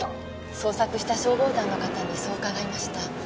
捜索した消防団の方にそう伺いました。